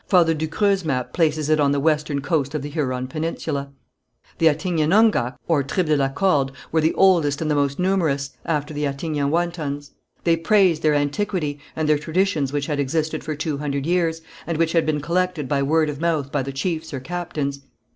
Father du Creux' map places it on the western coast of the Huron peninsula. The Attignenonghacs, or tribe de la Corde, were the oldest and the most numerous, after the Attignaouantans. They praised their antiquity and their traditions which had existed for two hundred years, and which had been collected by word of mouth by the chiefs or captains.